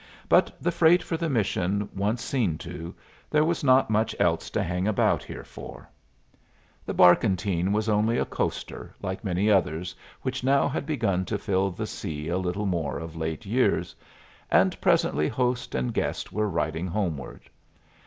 But the freight for the mission once seen to, there was not much else to hang about here for. The barkentine was only a coaster like many others which now had begun to fill the sea a little more of late years, and presently host and guest were riding homeward.